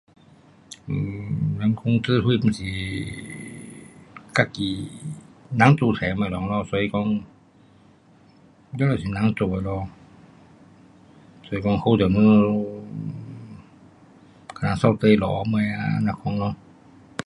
um 人工智慧就是自己人做出来的东西咯，所以讲全部是人做的咯，所以讲好就我们啊扫地下这样啊这样讲咯。